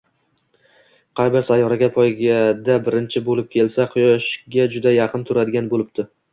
Qay bir sayyora poygada birinchi boʻlib kelsa, Quyoshga juda yaqin turadigan boʻlibdi